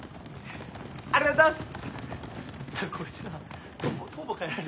ありがとうございます！